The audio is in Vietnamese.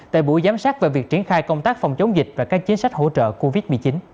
tại buổi giám sát về việc triển khai công tác phòng chống dịch và các chính sách hỗ trợ covid một mươi chín